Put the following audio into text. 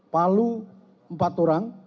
palu empat orang